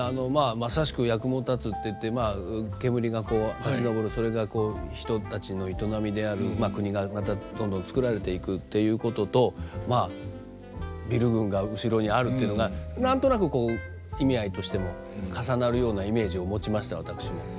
まさしく「八雲立つ」っていって煙がこう立ち上るそれが人たちの営みである国がまたどんどん造られていくということとまあビル群が後ろにあるっていうのが何となく意味合いとしても重なるようなイメージを持ちました私も。